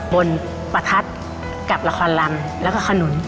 ประทัดกับละครลำแล้วก็ขนุน